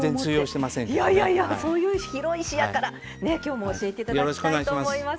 いやいやいやそういう広い視野から今日も教えて頂きたいと思います。